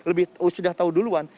oh sudah tahu duluan